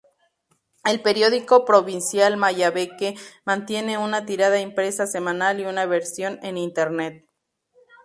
El periódico provincial Mayabeque mantiene una tirada impresa semanal y una versión en internet.